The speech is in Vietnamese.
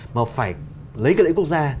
mà phải lấy cái lợi ích quốc gia